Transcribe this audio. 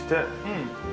うん。